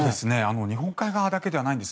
日本海側だけではないんです。